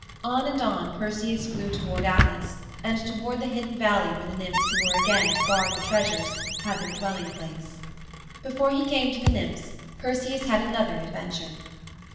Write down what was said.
On and on Perseus flew toward Atlas and toward the hidden valley where the nymphs who were again to guard the magic treasures had their dwelling place. But before he came to the nymphs Perseus had another adventure.